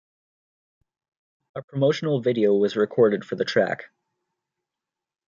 A promotional video was recorded for the track.